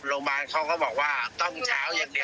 โรงพยาบาลเขาก็บอกว่าต้องเช้าอย่างเดียว